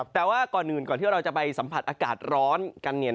แต่ว่าก่อนอื่นก่อนที่เราจะไปสัมผัสอากาศร้อนกัน